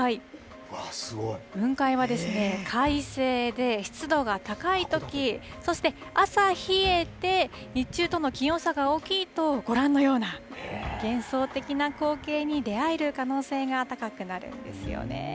雲海は、快晴で、湿度が高いとき、そして朝冷えて、日中との気温差が大きいと、ご覧のような幻想的な光景に出会える可能性が高くなるんですよね。